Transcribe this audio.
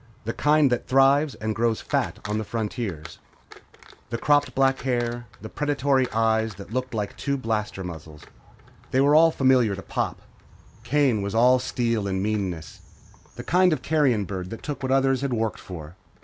The kind that thrives and grows fat on the frontiers. The bulky frame, the cropped black hair, the predatory eyes that looked like two blaster muzzles. They were all familiar to Pop. Kane was all steel and meanness. The kind of carrion bird that took what others had worked for.